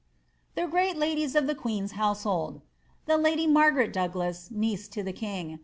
The great ladiet of the queen's hotuehold. The lady Margaret IVsuglas (niece to the king).